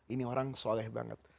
ini orang soleh banget